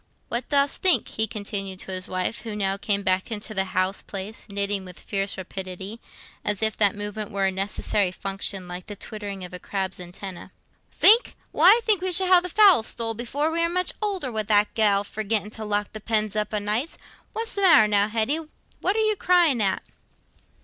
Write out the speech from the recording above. What dost think?" he continued to his wife, who now came back into the house place, knitting with fierce rapidity, as if that movement were a necessary function, like the twittering of a crab's antennæ. "Think? Why, I think we shall have the fowl stole before we are much older, wi' that gell forgetting to lock the pens up o' nights. What's the matter now, Hetty? What are you crying at?"